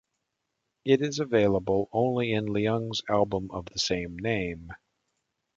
It is available only in Leung's album of the same name.